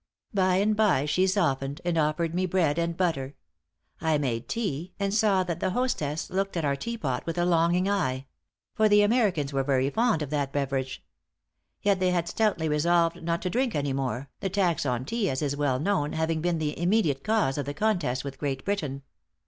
By and by she softened, and offered me bread and butter. I made tea: and saw that the hostess looked at our tea pot with a longing eye; for the Americans are very fond of that beverage; yet they had stoutly resolved not to drink any more, the tax on tea, as is well known, having been the immediate cause of the contest with Great Britain.